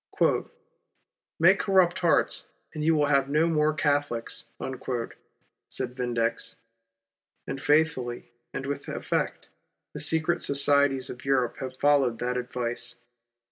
" Make corrupt hearts and you will have no more Catholics," said Vindex, and faithfully, and with effect, the secret societies of. Europe have followed that advice.